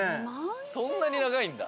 そんなに長いんだ。